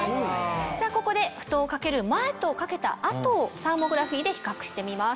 ここで布団を掛ける前と掛けた後をサーモグラフィーで比較してみます。